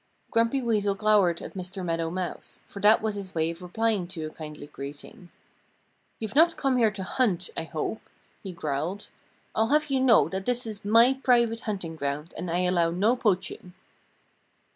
Grumpy Weasel glowered at Mr. Meadow Mouse, for that was his way of replying to a kindly greeting. "You've not come here to hunt, I hope," he growled. "I'll have you know that this is my private hunting ground and I allow no poaching."